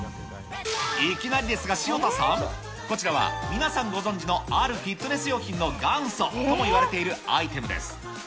いきなりですが、潮田さん、こちらは皆さんご存じのあるフィットネス用品の元祖ともいわれているアイテムです。